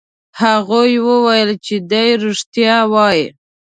هغوی وویل چې دی رښتیا وایي.